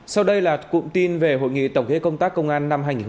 sau đây là cụm tin về hội nghị tổng ghế công tác công an năm hai nghìn một mươi tám